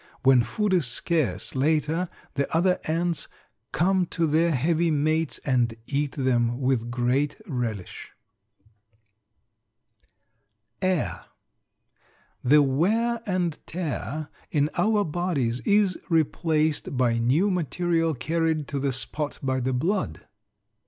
When food is scarce later the other ants come to their heavy mates and eat them with great relish. AIR. The wear and tear in our bodies is replaced by new material carried to the spot by the blood.